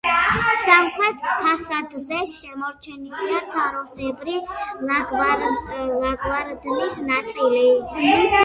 სამხრეთ ფასადზე შემორჩენილია თაროსებრი ლავგარდნის ნაწილი.